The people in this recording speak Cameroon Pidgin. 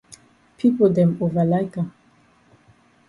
Pipo dem ova like am.